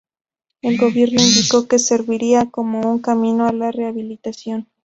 El gobierno indicó que serviría como un "camino a la rehabilitación".